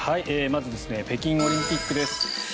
まず、北京オリンピックです。